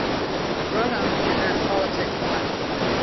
Rodham entered politics once.